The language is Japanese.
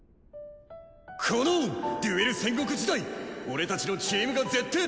このデュエル戦国時代俺たちのチームがぜってぇ